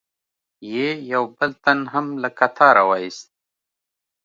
یې یو بل تن هم له قطاره و ایست.